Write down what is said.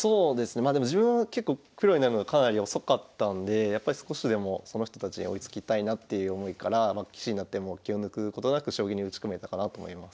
まあでも自分は結構プロになるのがかなり遅かったんで少しでもその人たちに追いつきたいなっていう思いから棋士になっても気を抜くことなく将棋に打ち込めたかなと思います。